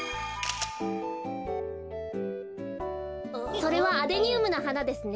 それはアデニウムのはなですね。